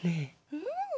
うん。